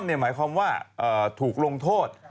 ถูกทร่อมหมายความว่าถูกลงโทษ